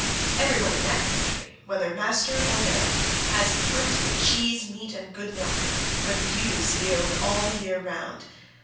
Every one in that country, whether master or man, has plenty of cheese, meat, and good milk, for the ewes yield all the year round.